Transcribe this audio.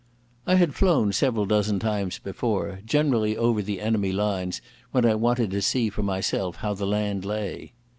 I had flown several dozen times before, generally over the enemy lines when I wanted to see for myself how the land lay.